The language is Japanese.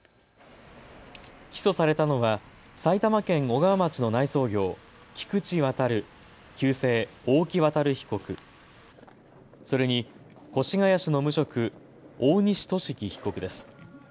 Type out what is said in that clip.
起訴されたのは埼玉県小川町の内装業、菊地渉、旧姓・大木渉被告、それに越谷市の無職、大西寿貴被告です。